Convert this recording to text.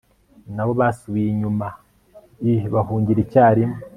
na bo basubiye inyuma l bahungira icyarimwe